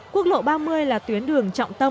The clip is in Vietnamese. quốc lộ ba mươi là tuyến đường trọng tư